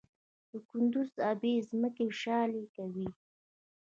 د کندز ابي ځمکې شالې کوي؟